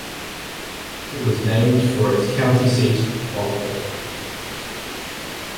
It was named for its county seat, Rockwall.